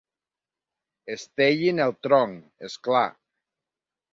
Estellin el tronc, és clar.